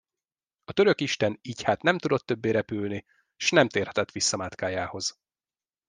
A török isten így hát nem tudott többé repülni, s nem térhetett vissza mátkájához.